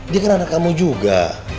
dia kan anak kamu juga